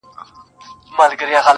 نه بابا خبر نه يم، ستا په خيالورې لور_